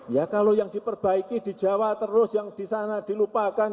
ya kalau yang diperbaiki di jawa terus yang di sana dilupakan